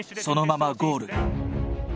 そのままゴール。